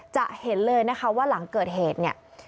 จะเห็นเลยนะคะว่าหลังเกิดเหตุเนี่ย